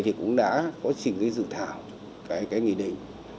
thì cũng đã có chỉnh cái dự thảo cái nghị định